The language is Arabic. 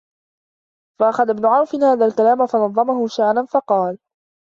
فَأَخَذَ ابْنُ عَوْفٍ هَذَا الْكَلَامَ فَنَظَمَهُ شِعْرًا فَقَالَ